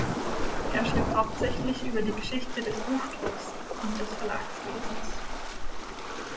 Er schrieb hauptsächlich über die Geschichte des Buchdrucks und des Verlagswesens.